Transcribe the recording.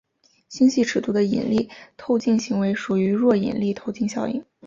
星系尺度的引力透镜行为属于弱引力透镜效应。